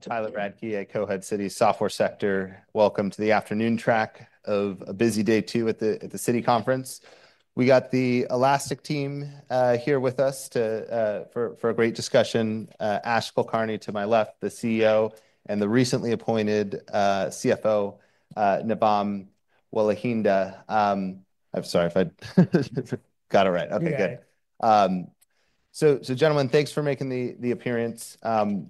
Tyler Radke at Citi Software Sector. Welcome to the afternoon track of a busy day two at the Citi Conference. We got the Elastic team here with us for a great discussion. Ashutosh Kulkarni to my left, the CEO, and the recently appointed CFO, Navam Welihinda. I'm sorry if I got it right. Okay. Good. Gentlemen, thanks for making the appearance. You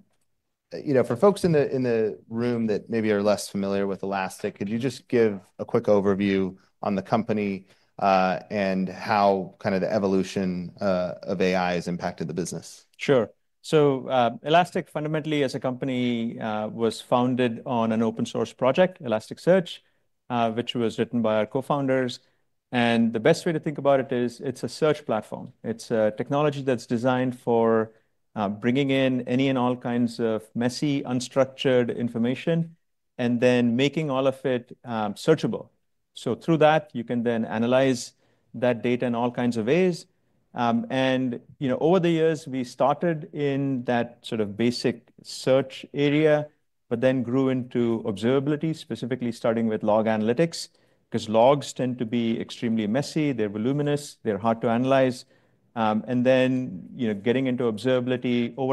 know, for folks in the room that maybe are less familiar with Elastic, could you just give a quick overview on the company, and how kind of the evolution of AI has impacted the business? Sure. So, Elastic fundamentally as a company, was founded on an open source project, Elasticsearch, which was written by our co-founders. The best way to think about it is it's a search platform. It's a technology that's designed for bringing in any and all kinds of messy, unstructured information and then making all of it searchable. Through that, you can then analyze that data in all kinds of ways. Over the years, we started in that sort of basic search area, but then grew into observability, specifically starting with log analytics because logs tend to be extremely messy. They're voluminous. They're hard to analyze. Over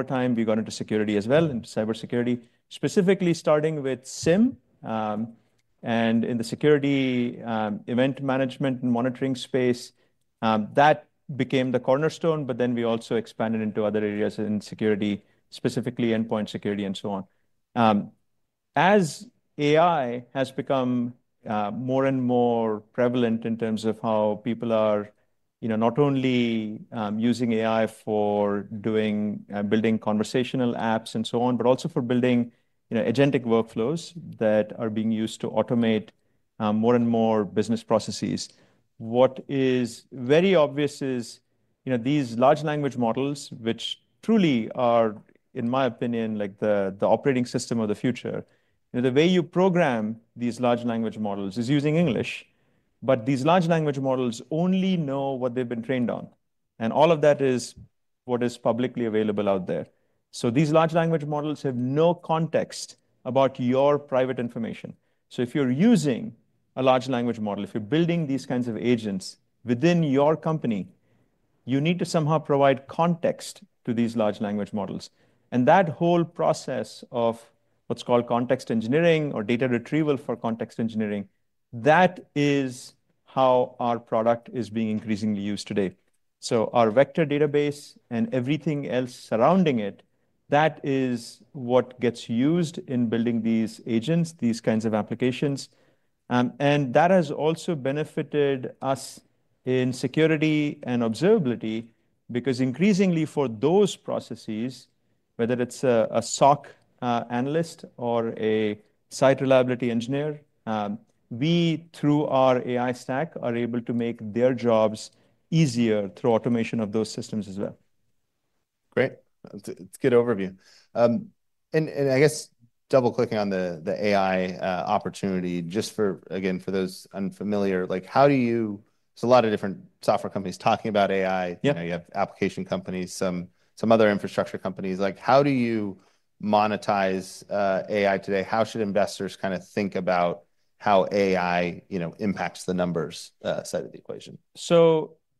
time, we got into security as well and cybersecurity, specifically starting with SIEM, in the security event management and monitoring space. That became the cornerstone, but then we also expanded into other areas in security, specifically endpoint security and so on. As AI has become more and more prevalent in terms of how people are not only using AI for building conversational apps and so on, but also for building agentic workflows that are being used to automate more and more business processes, what is very obvious is these large language models, which truly are, in my opinion, like the operating system of the future. The way you program these large language models is using English, but these large language models only know what they've been trained on. All of that is what is publicly available out there. These large language models have no context about your private information. If you're using a large language model, if you're building these kinds of agents within your company, you need to somehow provide context to these large language models. That whole process of what's called context engineering or data retrieval for context engineering, that is how our product is being increasingly used today. Our vector database and everything else surrounding it, that is what gets used in building these agents, these kinds of applications. That has also benefited us in security and observability because increasingly for those processes, whether it's a SOC analyst or a site reliability engineer, we through our AI stack are able to make their jobs easier through automation of those systems as well. Great. That's a good overview. I guess double clicking on the AI opportunity, just for, again, for those unfamiliar, like, how do you, there's a lot of different software companies talking about AI. You know, you have application companies, some other infrastructure companies, like, how do you monetize AI today? How should investors kind of think about how AI impacts the numbers side of the equation?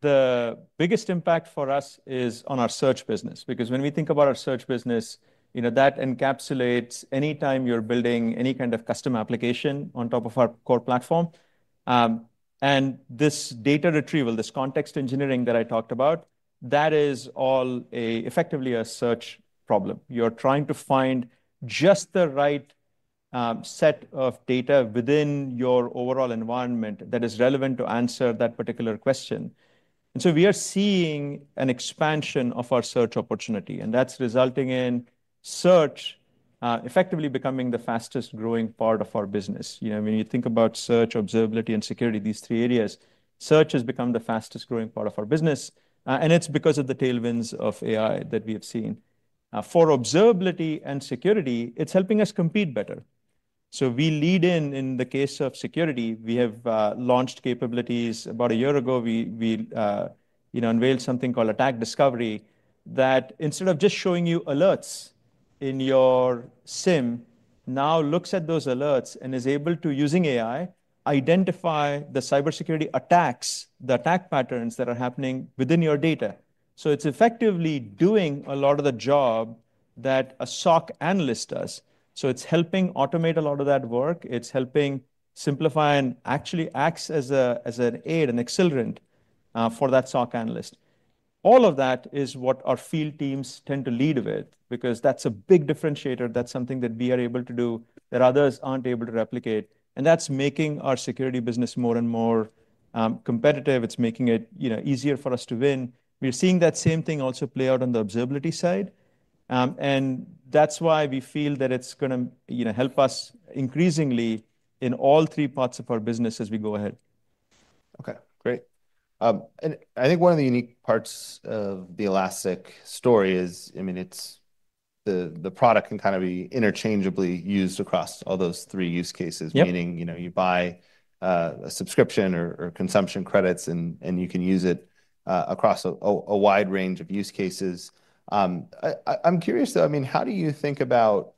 The biggest impact for us is on our search business because when we think about our search business, you know, that encapsulates anytime you're building any kind of custom application on top of our core platform. This data retrieval, this context engineering that I talked about, that is all effectively a search problem. You're trying to find just the right set of data within your overall environment that is relevant to answer that particular question. We are seeing an expansion of our search opportunity, and that's resulting in search effectively becoming the fastest growing part of our business. You know, when you think about search, observability, and security, these three areas, search has become the fastest growing part of our business, and it's because of the tailwinds of AI that we have seen. For observability and security, it's helping us compete better. We lead in, in the case of security, we have launched capabilities about a year ago. We unveiled something called Attack Discovery that instead of just showing you alerts in your SIEM, now looks at those alerts and is able to, using AI, identify the cybersecurity attacks, the attack patterns that are happening within your data. It's effectively doing a lot of the job that a SOC analyst does. It's helping automate a lot of that work. It's helping simplify and actually acts as an aid, an accelerant, for that SOC analyst. All of that is what our field teams tend to lead with because that's a big differentiator. That's something that we are able to do that others aren't able to replicate, and that's making our security business more and more competitive. It's making it, you know, easier for us to win. We're seeing that same thing also play out on the observability side, and that's why we feel that it's going to, you know, help us increasingly in all three parts of our business as we go ahead. Okay. Great. I think one of the unique parts of the Elastic story is, I mean, the product can kind of be interchangeably used across all those three use cases. Meaning, you buy a subscription or consumption credits, and you can use it across a wide range of use cases. I'm curious though, how do you think about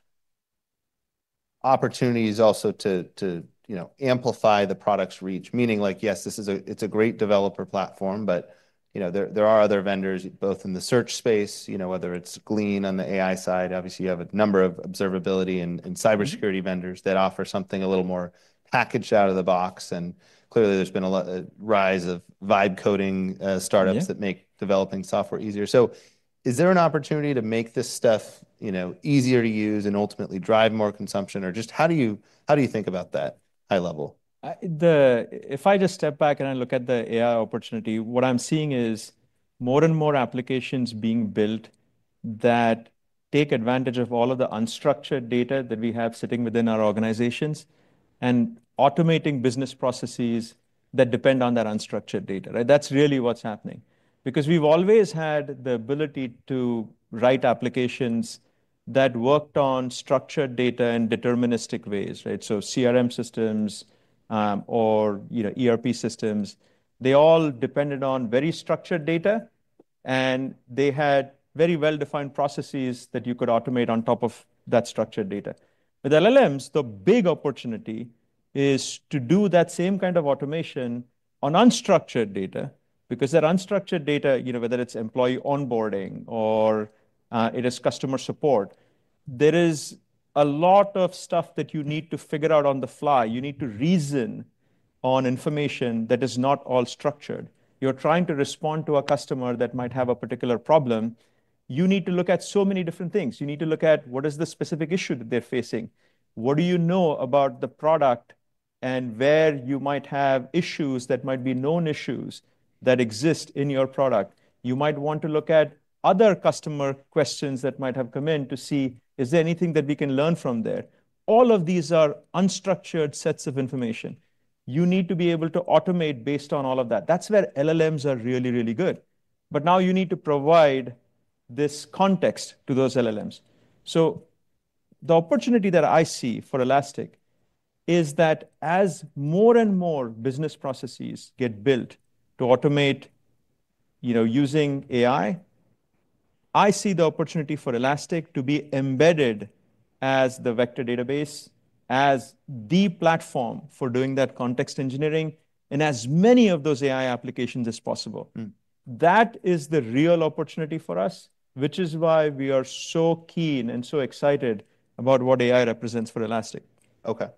opportunities also to amplify the product's reach? Meaning, yes, this is a great developer platform, but there are other vendors both in the search space, whether it's Glean on the AI side. Obviously, you have a number of observability and cybersecurity vendors that offer something a little more packaged out of the box. Clearly, there's been a lot of rise of vibe coding startups that make developing software easier. Is there an opportunity to make this stuff easier to use and ultimately drive more consumption, or just how do you think about that high level? If I just step back and I look at the AI opportunity, what I'm seeing is more and more applications being built that take advantage of all of the unstructured data that we have sitting within our organizations and automating business processes that depend on that unstructured data. That's really what's happening because we've always had the ability to write applications that worked on structured data in deterministic ways. CRM systems, or, you know, ERP systems, they all depended on very structured data, and they had very well-defined processes that you could automate on top of that structured data. With LLMs, the big opportunity is to do that same kind of automation on unstructured data because that unstructured data, you know, whether it's employee onboarding or it is customer support, there is a lot of stuff that you need to figure out on the fly. You need to reason on information that is not all structured. You're trying to respond to a customer that might have a particular problem. You need to look at so many different things. You need to look at what is the specific issue that they're facing. What do you know about the product and where you might have issues that might be known issues that exist in your product. You might want to look at other customer questions that might have come in to see is there anything that we can learn from there. All of these are unstructured sets of information. You need to be able to automate based on all of that. That's where LLMs are really, really good. Now you need to provide this context to those LLMs. The opportunity that I see for Elastic is that as more and more business processes get built to automate, you know, using AI, I see the opportunity for Elastic to be embedded as the vector database, as the platform for doing that context engineering, and as many of those AI applications as possible. That is the real opportunity for us, which is why we are so keen and so excited about what AI represents for Elastic. Okay.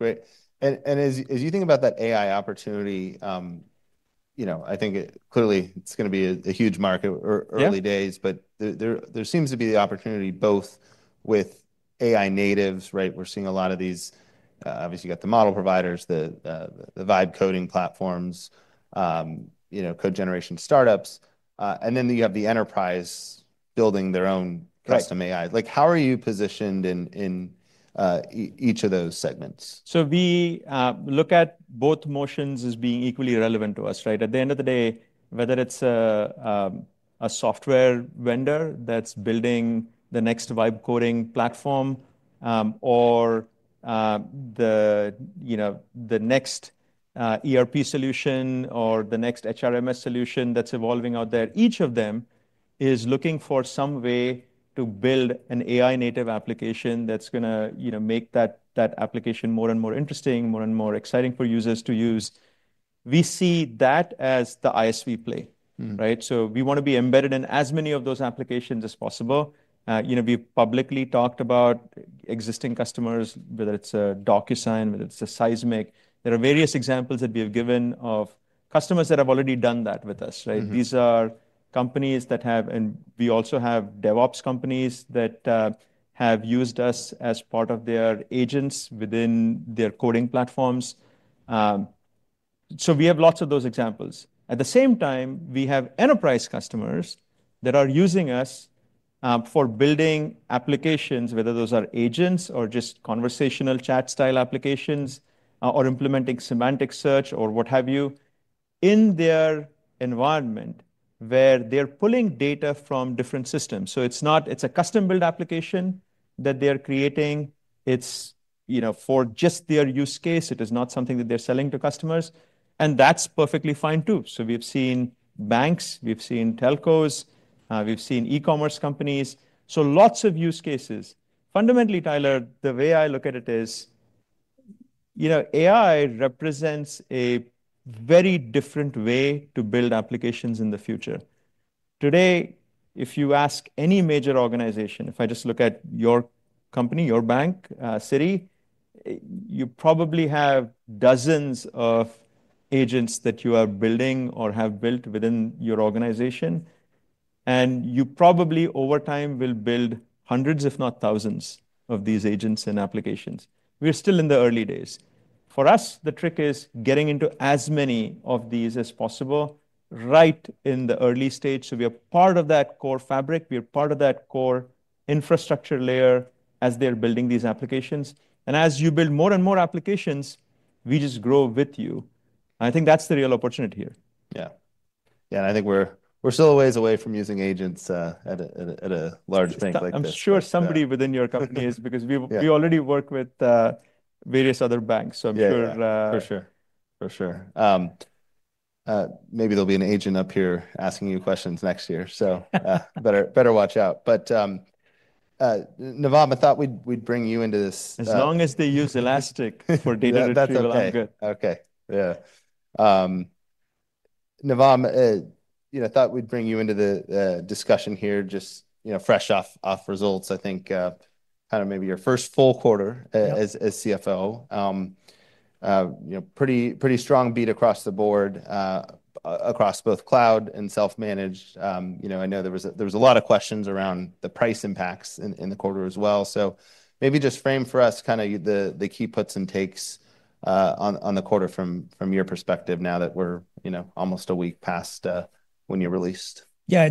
Great. As you think about that AI opportunity, I think clearly it's going to be a huge market or early days, but there seems to be the opportunity both with AI natives. Right? We're seeing a lot of these, obviously, you got the model providers, the coding platforms, you know, code generation startups, and then you have the enterprise building their own custom AI. How are you positioned in each of those segments? We look at both motions as being equally relevant to us. Right? At the end of the day, whether it's a software vendor that's building the next vibe coding platform, or the next ERP solution or the next HRMS solution that's evolving out there, each of them is looking for some way to build an AI-native application that's going to make that application more and more interesting, more and more exciting for users to use. We see that as the ISV play. Right? We want to be embedded in as many of those applications as possible. We've publicly talked about existing customers, whether it's a DocuSign, whether it's a Seismic. There are various examples that we have given of customers that have already done that with us. These are companies that have, and we also have DevOps companies that have used us as part of their agents within their coding platforms. We have lots of those examples. At the same time, we have enterprise customers that are using us for building applications, whether those are agents or just conversational chat style applications, or implementing semantic search or what have you, in their environment where they're pulling data from different systems. It's a custom-built application that they're creating. It's for just their use case. It is not something that they're selling to customers. That's perfectly fine too. We've seen banks, we've seen telcos, we've seen e-commerce companies. Lots of use cases. Fundamentally, Tyler, the way I look at it is, AI represents a very different way to build applications in the future. Today, if you ask any major organization, if I just look at your company, your bank, Citi, you probably have dozens of agents that you are building or have built within your organization, and you probably, over time, will build hundreds, if not thousands, of these agents and applications. We're still in the early days. For us, the trick is getting into as many of these as possible right in the early stage so we are part of that core fabric. We are part of that core infrastructure layer as they're building these applications. As you build more and more applications, we just grow with you. I think that's the real opportunity here. Yeah. I think we're still a ways away from using agents at a large bank like this. I'm sure somebody within your company is because we already work with various other banks. So I'm sure, For sure. Maybe there'll be an agent up here asking you questions next year. You better watch out. Navam, I thought we'd bring you into this. As long as they use Elastic for data retrieval, I'm good. Okay. Yeah. Navam, you know, I thought we'd bring you into the discussion here just, you know, fresh off results. I think, I don't know, maybe your first full quarter as CFO. You know, pretty strong beat across the board, across both cloud and self-managed. You know, I know there was a lot of questions around the price impacts in the quarter as well. Maybe just frame for us kind of the key puts and takes on the quarter from your perspective now that we're almost a week past when you released. Yeah.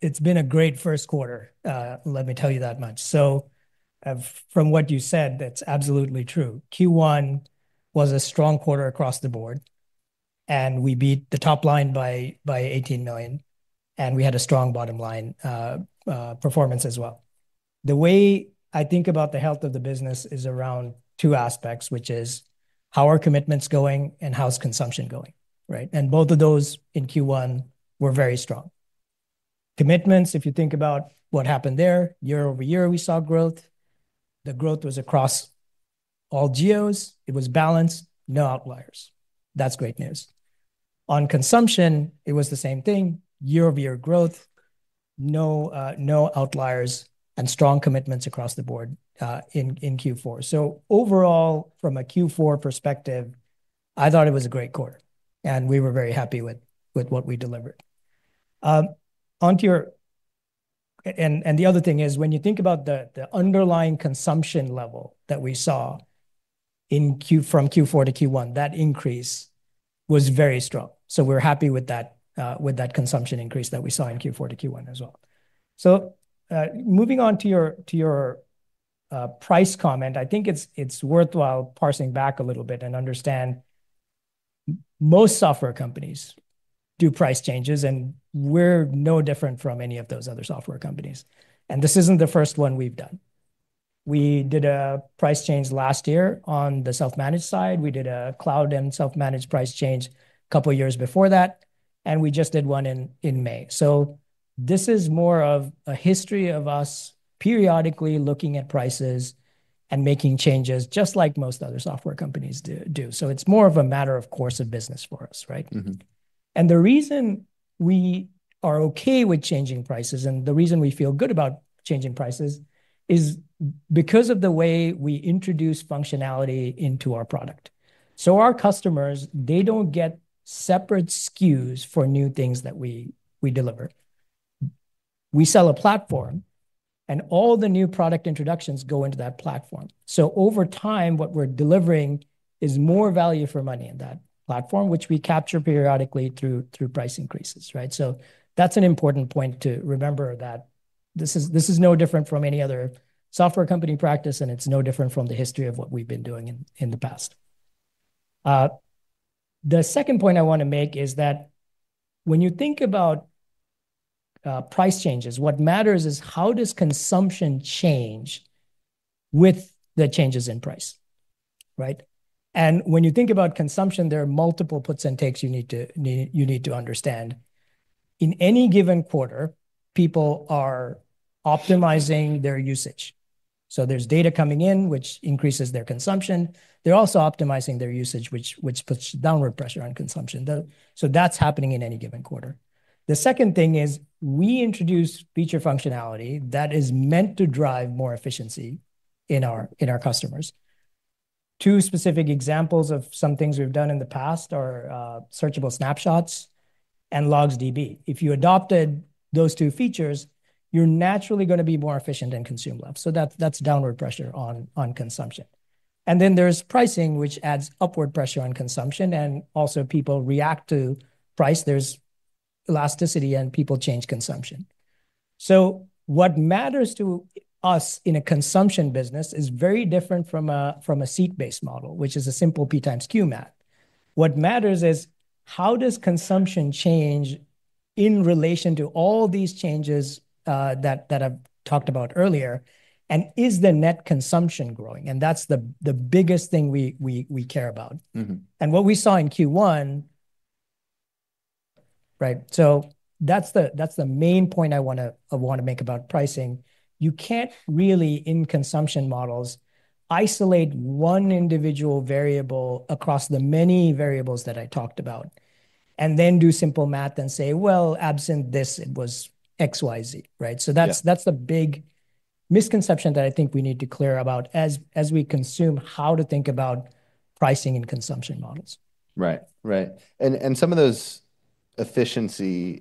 It's been a great first quarter, let me tell you that much. From what you said, that's absolutely true. Q1 was a strong quarter across the board, and we beat the top line by $18 million, and we had a strong bottom line performance as well. The way I think about the health of the business is around two aspects, which is how are commitments going and how's consumption going, right? Both of those in Q1 were very strong. Commitments, if you think about what happened there, year -over -year, we saw growth. The growth was across all geos. It was balanced. No outliers. That's great news. On consumption, it was the same thing. Year -over -year growth, no outliers and strong commitments across the board in Q4. Overall, from a Q4 perspective, I thought it was a great quarter, and we were very happy with what we delivered. The other thing is when you think about the underlying consumption level that we saw from Q4 to Q1, that increase was very strong. We're happy with that consumption increase that we saw in Q4 to Q1 as well. Moving on to your price comment, I think it's worthwhile parsing back a little bit and understand most software companies do price changes, and we're no different from any of those other software companies. This isn't the first one we've done. We did a price change last year on the self-managed side. We did a cloud and self-managed price change a couple of years before that, and we just did one in May. This is more of a history of us periodically looking at prices and making changes just like most other software companies do. It's more of a matter of course of business for us, right? Mhmm. The reason we are okay with changing prices and the reason we feel good about changing prices is because of the way we introduce functionality into our product. Our customers don't get separate SKUs for new things that we deliver. We sell a platform, and all the new product introductions go into that platform. Over time, what we're delivering is more value for money in that platform, which we capture periodically through price increases. That's an important point to remember. This is no different from any other software company practice, and it's no different from the history of what we've been doing in the past. The second point I want to make is that when you think about price changes, what matters is how does consumption change with the changes in price. When you think about consumption, there are multiple puts and takes you need to understand. In any given quarter, people are optimizing their usage. There's data coming in, which increases their consumption. They're also optimizing their usage, which puts downward pressure on consumption. That's happening in any given quarter. The second thing is we introduce feature functionality that is meant to drive more efficiency in our customers. Two specific examples of some things we've done in the past are Searchable Snapshots and Logsdb. If you adopted those two features, you're naturally going to be more efficient and consume less. That puts downward pressure on consumption. Then there's pricing, which adds upward pressure on consumption, and also people react to price. There's elasticity, and people change consumption. What matters to us in a consumption business is very different from a seat-based model, which is a simple P times Q math. What matters is how does consumption change in relation to all these changes that I've talked about earlier, and is the net consumption growing. That's the biggest thing we care about. Mhmm. What we saw in Q1, right? That's the main point I wanna make about pricing. You can't really, in consumption models, isolate one individual variable across the many variables that I talked about and then do simple math and say, absent this, it was X, Y, Z. That's the big misconception that I think we need to clear about as we consume how to think about pricing and consumption models. Right. And some of those efficiency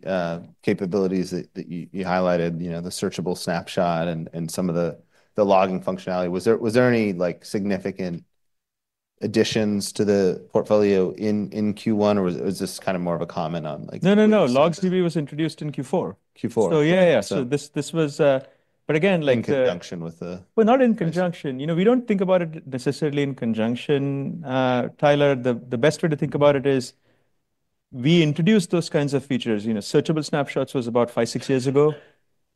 capabilities that you highlighted, you know, the Elastic Searchable Snapshots and some of the logging functionality. Was there any, like, significant additions to the portfolio in Q1, or was this kind of more of a comment on, like. No, no. Logsdb was introduced in Q4. Q4. Yeah, yeah. This was, but again, like. In conjunction with the. You know, we don't think about it necessarily in conjunction. Tyler, the best way to think about it is we introduced those kinds of features. You know, Searchable Snapshots was about five, six years ago.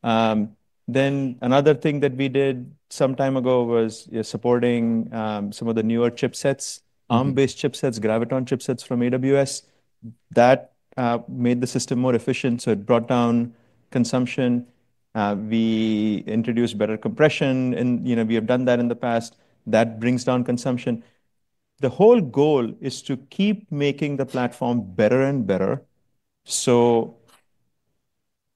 Another thing that we did some time ago was supporting some of the newer chipsets, Arm-based chipsets, Graviton chipsets from AWS. That made the system more efficient, so it brought down consumption. We introduced better compression, and we have done that in the past. That brings down consumption. The whole goal is to keep making the platform better and better.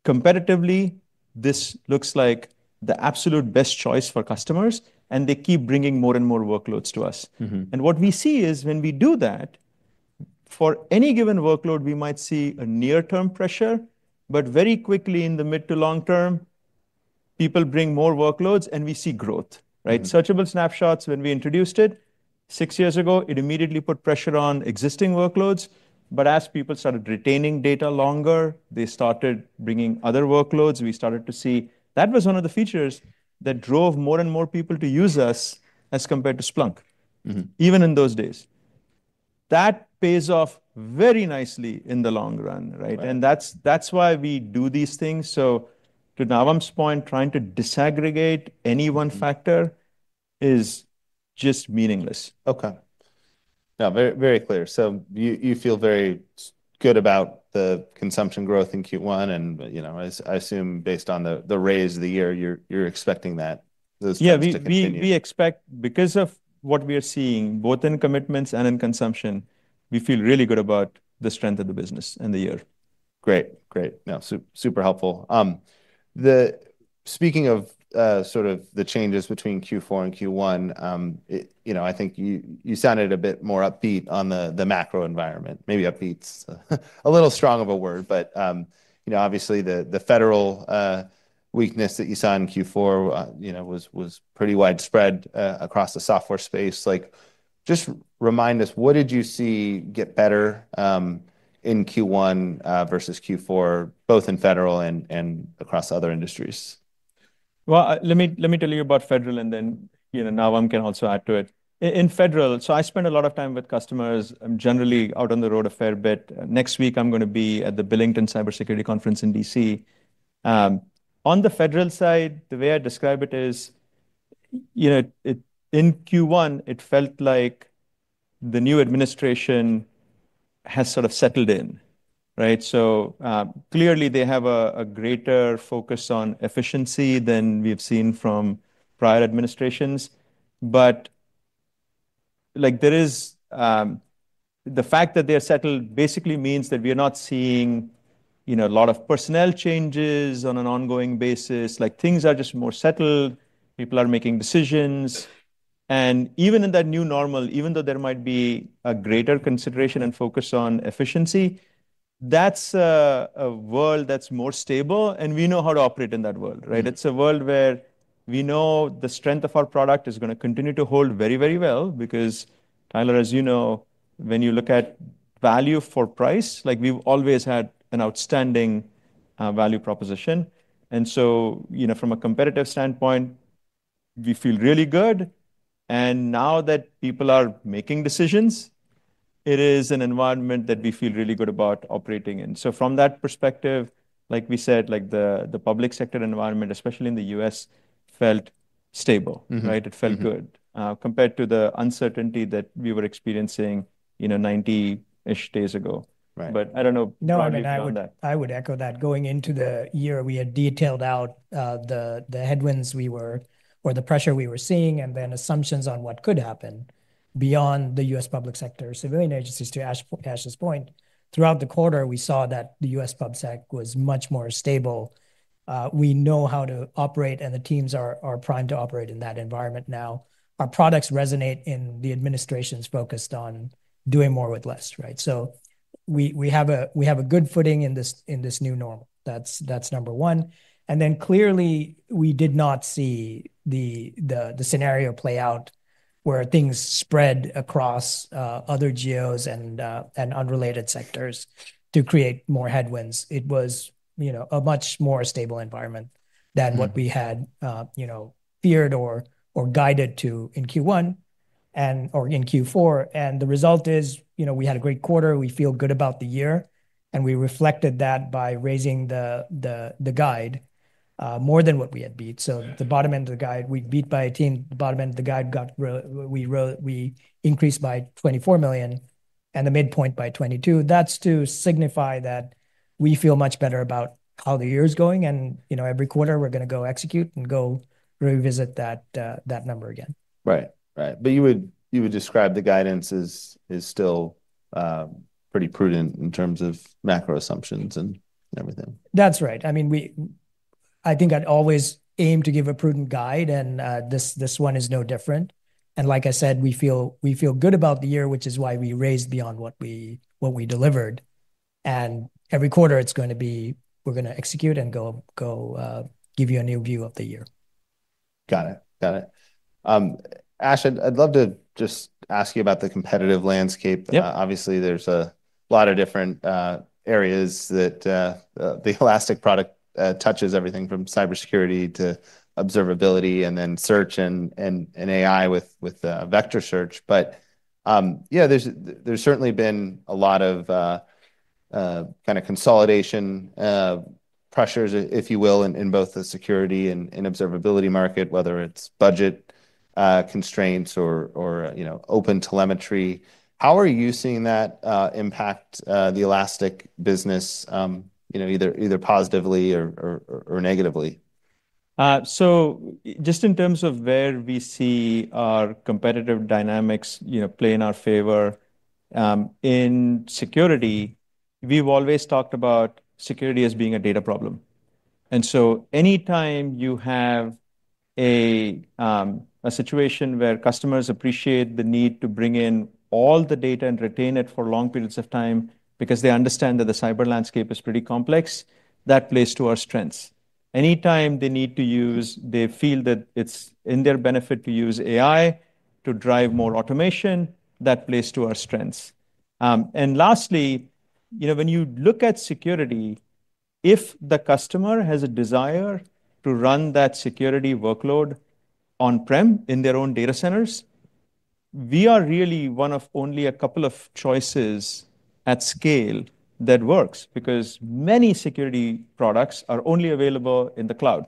Competitively, this looks like the absolute best choice for customers, and they keep bringing more and more workloads to us. Mhmm. What we see is when we do that, for any given workload, we might see a near-term pressure, but very quickly in the mid to long term, people bring more workloads, and we see growth. Searchable snapshots, when we introduced it six years ago, it immediately put pressure on existing workloads. As people started retaining data longer, they started bringing other workloads. We started to see that was one of the features that drove more and more people to use us as compared to Splunk. Mhmm. Even in those days, that pays off very nicely in the long run, right? That's why we do these things. To Navam's point, trying to disaggregate any one factor is just meaningless. Okay. Very, very clear. You feel very good about the consumption growth in Q1, and I assume based on the raise of the year, you're expecting that. Yeah. We expect because of what we are seeing both in commitments and in consumption, we feel really good about the strength of the business in the year. Great. No, super helpful. Speaking of the changes between Q4 and Q1, I think you sounded a bit more upbeat on the macro environment. Maybe upbeat's a little strong of a word, but obviously, the federal weakness that you saw in Q4 was pretty widespread across the software space. Just remind us, what did you see get better in Q1 versus Q4, both in federal and across other industries? Let me tell you about federal, and then, you know, Navam can also add to it. In federal, I spend a lot of time with customers. I'm generally out on the road a fair bit. Next week, I'm going to be at the Billington Cybersecurity Conference in D.C. On the federal side, the way I describe it is, in Q1, it felt like the new administration has sort of settled in. Right? Clearly, they have a greater focus on efficiency than we have seen from prior administrations. There is the fact that they're settled basically means that we are not seeing a lot of personnel changes on an ongoing basis. Things are just more settled. People are making decisions. Even in that new normal, even though there might be a greater consideration and focus on efficiency, that's a world that's more stable, and we know how to operate in that world. Right? It's a world where we know the strength of our product is going to continue to hold very, very well because, Tyler, as you know, when you look at value for price, we've always had an outstanding value proposition. From a competitive standpoint, we feel really good. Now that people are making decisions, it is an environment that we feel really good about operating in. From that perspective, like we said, the public sector environment, especially in the U.S., felt stable. Mhmm. Right? It felt good, compared to the uncertainty that we were experiencing, you know, 90-ish days ago. Right. I don't know. No. I would echo that. Going into the year, we had detailed out the headwinds we were or the pressure we were seeing and then assumptions on what could happen beyond the U.S. public sector. Civilian agencies, to Ash's point, throughout the quarter, we saw that the U.S. public sector was much more stable. We know how to operate, and the teams are primed to operate in that environment now. Our products resonate in the administrations focused on doing more with less. Right? We have a good footing in this new normal. That's number one. Clearly, we did not see the scenario play out where things spread across other geos and unrelated sectors to create more headwinds. It was a much more stable environment than what we had feared or guided to in Q1 or in Q4. The result is, we had a great quarter. We feel good about the year, and we reflected that by raising the guide, more than what we had beat. The bottom end of the guide, we beat by 18. The bottom end of the guide got increased by $24 million and the midpoint by $22 million. That's to signify that we feel much better about how the year is going, and every quarter, we're going to execute and revisit that number again. Right. You would describe the guidance as is still pretty prudent in terms of macro assumptions and everything. That's right. I think I'd always aim to give a prudent guide, and this one is no different. Like I said, we feel good about the year, which is why we raised beyond what we delivered. Every quarter, it's going to be we execute and go, give you a new view of the year. Got it. Ash, I'd love to just ask you about the competitive landscape. Sure. Obviously, there's a lot of different areas that the Elastic product touches, everything from cybersecurity to observability and then search and AI with vector search. There's certainly been a lot of consolidation pressures, if you will, in both the security and observability market, whether it's budget constraints or, you know, open telemetry. How are you seeing that impact the Elastic business, you know, either positively or negatively? In terms of where we see our competitive dynamics play in our favor, in security, we've always talked about security as being a data problem. Anytime you have a situation where customers appreciate the need to bring in all the data and retain it for long periods of time because they understand that the cyber landscape is pretty complex, that plays to our strengths. Anytime they feel that it's in their benefit to use AI to drive more automation, that plays to our strengths. Lastly, when you look at security, if the customer has a desire to run that security workload on prem in their own data centers, we are really one of only a couple of choices at scale that works because many security products are only available in the cloud.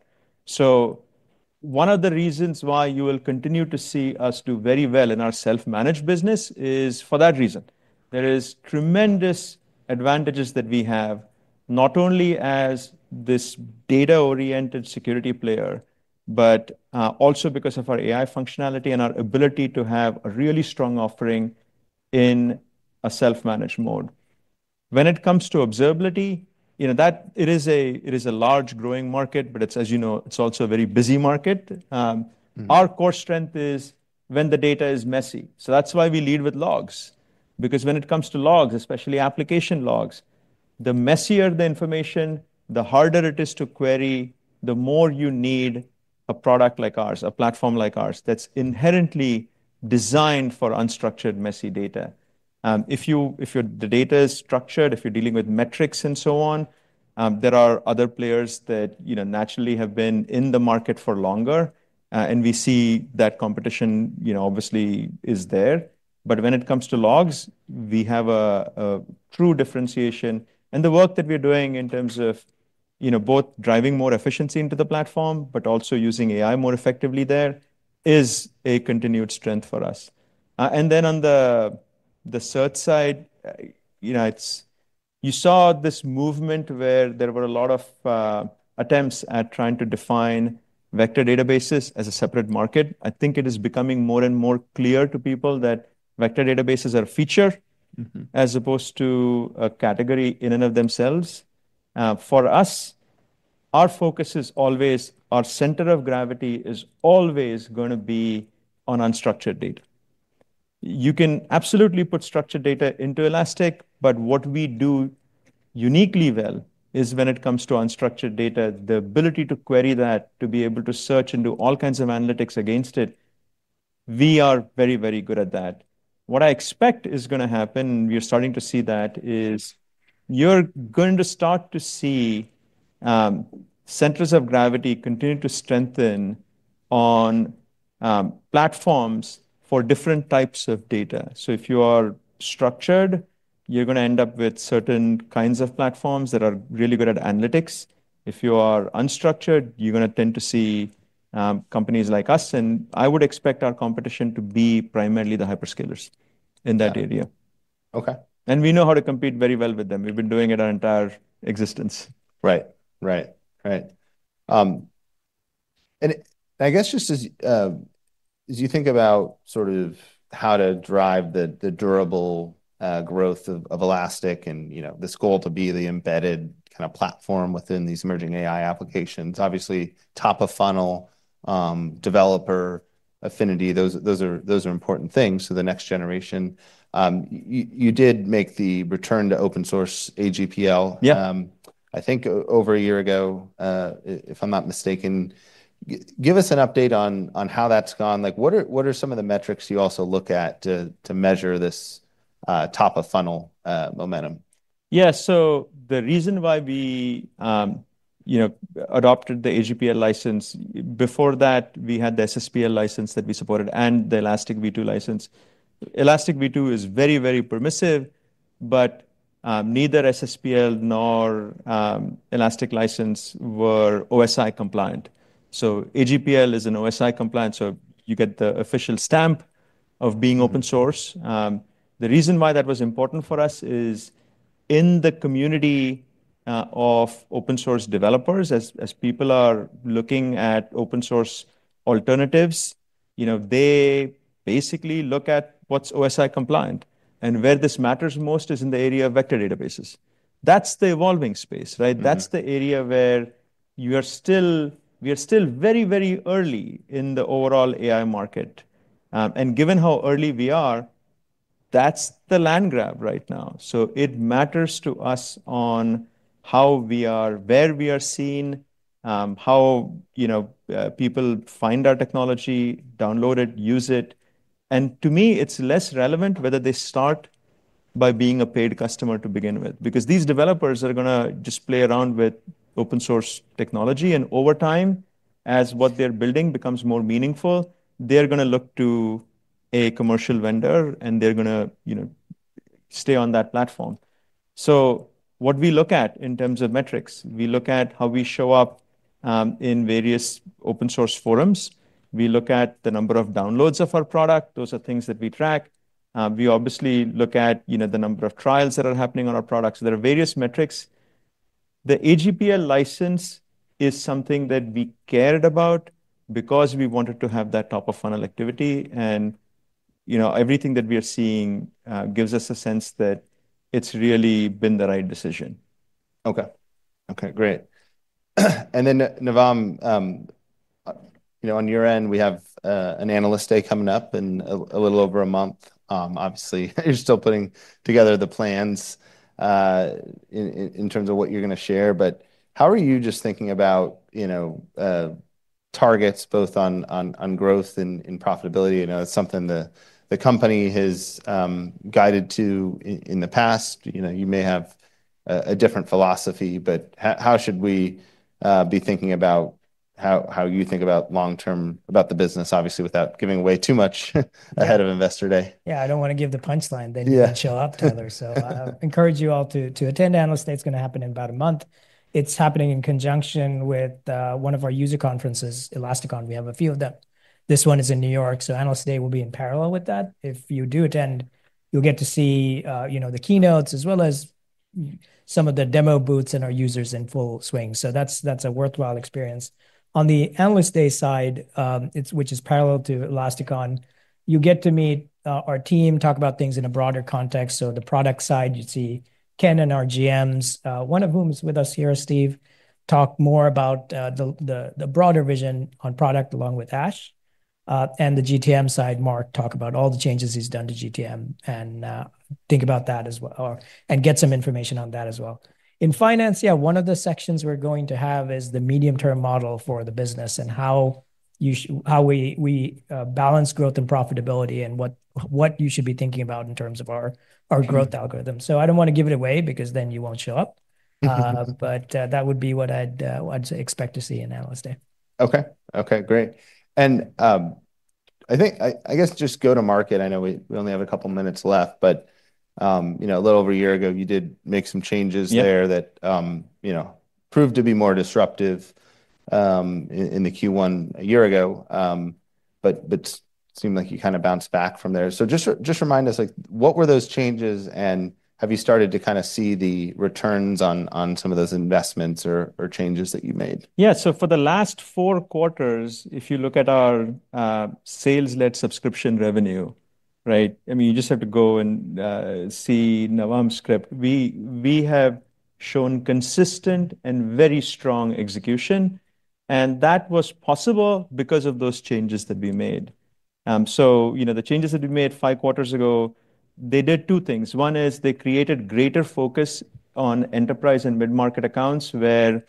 One of the reasons why you will continue to see us do very well in our self-managed business is for that reason. There are tremendous advantages that we have, not only as this data-oriented security player, but also because of our AI functionality and our ability to have a really strong offering in a self-managed mode. When it comes to observability, it is a large growing market, but it's also a very busy market. Mhmm. Our core strength is when the data is messy. That's why we lead with logs, because when it comes to logs, especially application logs, the messier the information, the harder it is to query, the more you need a product like ours, a platform like ours that's inherently designed for unstructured, messy data. If the data is structured, if you're dealing with metrics and so on, there are other players that, you know, naturally have been in the market for longer, and we see that competition is there. When it comes to logs, we have a true differentiation. The work that we're doing in terms of both driving more efficiency into the platform, but also using AI more effectively, is a continued strength for us. On the search side, you saw this movement where there were a lot of attempts at trying to define vector databases as a separate market. I think it is becoming more and more clear to people that vector databases are a feature. Mhmm. As opposed to a category in and of themselves, for us, our focus is always our center of gravity is always going to be on unstructured data. You can absolutely put structured data into Elastic, but what we do uniquely well is when it comes to unstructured data, the ability to query that, to be able to search and do all kinds of analytics against it. We are very, very good at that. What I expect is going to happen, and we're starting to see that, is you're going to start to see centers of gravity continue to strengthen on platforms for different types of data. If you are structured, you're going to end up with certain kinds of platforms that are really good at analytics. If you are unstructured, you're going to tend to see companies like us. I would expect our competition to be primarily the hyperscalers in that area. Okay. We know how to compete very well with them. We've been doing it our entire existence. Right. Right. Right. I guess just as you think about sort of how to drive the durable growth of Elastic and, you know, this goal to be the embedded kind of platform within these emerging AI applications. Obviously, top of funnel, developer affinity, those are important things to the next generation. You did make the return to open source AGPL. Yeah. I think over a year ago, if I'm not mistaken. Give us an update on how that's gone. What are some of the metrics you also look at to measure this, top of funnel, momentum? Yeah. The reason why we, you know, adopted the AGPL open-source license, before that, we had the SSPL license that we supported and the Elastic V2 license. Elastic V2 is very, very permissive, but neither SSPL nor Elastic license were OSI compliant. AGPL is an OSI compliance, so you get the official stamp of being open source. The reason why that was important for us is in the community of open source developers, as people are looking at open source alternatives, you know, they basically look at what's OSI compliant. Where this matters most is in the area of vector databases. That's the evolving space. Right? That's the area where we are still very, very early in the overall AI market. Given how early we are, that's the land grab right now. It matters to us how we are, where we are seen, how people find our technology, download it, use it. To me, it's less relevant whether they start by being a paid customer to begin with because these developers are going to just play around with open source technology. Over time, as what they're building becomes more meaningful, they're going to look to a commercial vendor, and they're going to stay on that platform. What we look at in terms of metrics, we look at how we show up in various open source forums. We look at the number of downloads of our product. Those are things that we track. We obviously look at the number of trials that are happening on our products. There are various metrics. The AGPL open-source license is something that we cared about because we wanted to have that top of funnel activity. Everything that we are seeing gives us a sense that it's really been the right decision. Okay. Great. And then, Navam, on your end, we have an Analyst Day coming up in a little over a month. Obviously, you're still putting together the plans in terms of what you're going to share. How are you just thinking about targets both on growth and in profitability? I know it's something the company has guided to in the past. You may have a different philosophy, but how should we be thinking about how you think about long term about the business, obviously, without giving away too much ahead of Investor Day? Yeah, I don't wanna give the punchline that you show up, Tyler. I encourage you all to attend Analyst Day. It's going to happen in about a month. It's happening in conjunction with one of our user conferences, Elasticon. We have a few of them. This one is in New York. Analyst Day will be in parallel with that. If you do attend, you'll get to see the keynotes as well as some of the demo booths and our users in full swing. That's a worthwhile experience. On the Analyst Day side, which is parallel to ElasticON, you get to meet our team and talk about things in a broader context. On the product side, you'd see Ken and our GMs, one of whom is with us here, Steve, talk more about the broader vision on product along with Ash. On the GTM side, Mark will talk about all the changes he's done to GTM and get some information on that as well. In finance, one of the sections we're going to have is the medium term model for the business and how we balance growth and profitability and what you should be thinking about in terms of our growth algorithm. I don't want to give it away because then you won't show up. Mhmm. That would be what I'd expect to see in Analyst Day. Okay. Great. I guess just go to market. I know we only have a couple of minutes left, but, you know, a little over a year ago, you did make some changes there that, you know, proved to be more disruptive in Q1 a year ago, but seemed like you kinda bounced back from there. Just remind us, like, what were those changes, and have you started to kinda see the returns on some of those investments or changes that you made? Yeah. For the last four quarters, if you look at our sales-led subscription revenue, you just have to go and see Navam's script. We have shown consistent and very strong execution, and that was possible because of those changes that we made. The changes that we made five quarters ago did two things. One is they created greater focus on enterprise and mid-market accounts where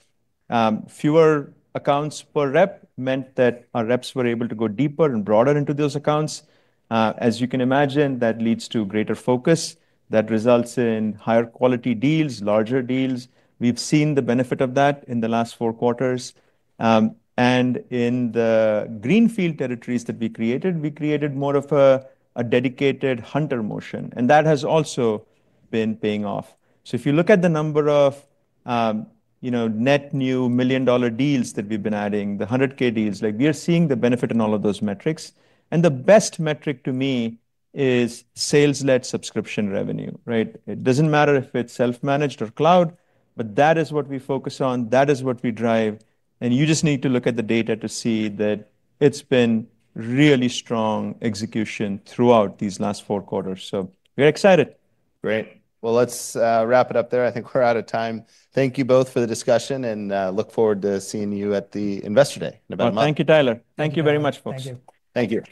fewer accounts per rep meant that our reps were able to go deeper and broader into those accounts. As you can imagine, that leads to greater focus. That results in higher quality deals, larger deals. We've seen the benefit of that in the last four quarters. In the greenfield territories that we created, we created more of a dedicated hunter motion, and that has also been paying off. If you look at the number of net new million dollar deals that we've been adding, the $100,000 deals, we are seeing the benefit in all of those metrics. The best metric to me is sales-led subscription revenue. It doesn't matter if it's self-managed or cloud, but that is what we focus on. That is what we drive. You just need to look at the data to see that it's been really strong execution throughout these last four quarters. We're excited. Great. Let's wrap it up there. I think we're out of time. Thank you both for the discussion, and look forward to seeing you at the investor day in about a month. Thank you, Tyler. Thank you very much, folks. Thank you. Thank you.